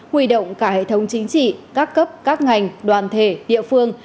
huy động cả hệ thống chính trị các cấp các ngành đoàn thể địa phương